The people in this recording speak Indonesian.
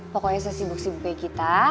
pokoknya sesibuk sibuk kayak kita